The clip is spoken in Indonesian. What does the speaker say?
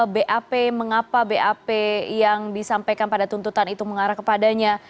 bap mengapa bap yang disampaikan pada tuntutan itu mengarah kepadanya